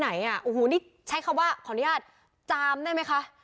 ไหนอ่ะโอ้โหนี่ใช้คำว่าขออนุญาตจามได้ไหมคะ